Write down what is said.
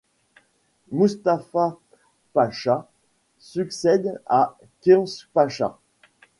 Moustapha Pacha succède à Khizr Pasha.